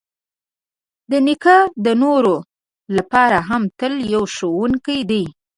نیکه د نورو لپاره هم تل یو ښوونکی دی.